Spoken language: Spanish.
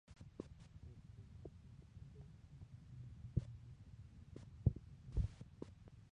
El "L'En-dehors" continúa con una página web, endehors.net.